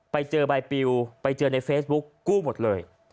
ไปเจอใบปิวไปเจอในเฟซบุ๊กกู้หมดเลย